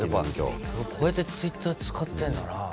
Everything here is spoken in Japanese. こうやってツイッター使ってんだなぁ。